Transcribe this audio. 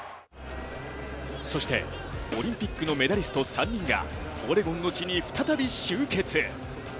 そして、オリンピックのメダリスト３人がオレゴンの地に再び集結。